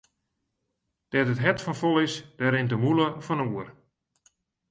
Dêr't it hert fol fan is, dêr rint de mûle fan oer.